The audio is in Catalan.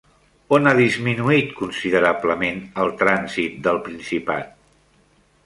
On ha disminuït considerablement el trànsit del Principat?